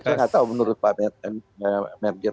saya nggak tahu menurut pak merger